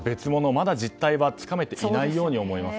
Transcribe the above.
まだ実態はつかめていないように思います。